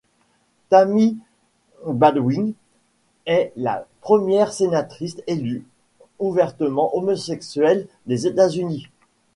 Tammy Baldwin est la première sénatrice élue ouvertement homosexuelle des États-Unis.